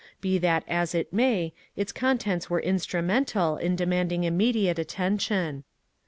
Be that as it may, its contents were instrumental in demanding immediate attention.